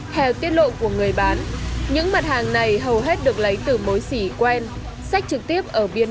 theo tiết lộ của người bán những mặt hàng này hầu hết được lấy từ mối xỉ quen sách trực tiếp ở biên